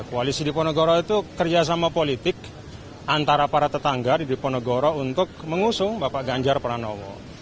koalisi diponegoro itu kerjasama politik antara para tetangga di diponegoro untuk mengusung bapak ganjar pranowo